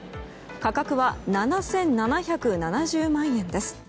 価格は７７７０万円です。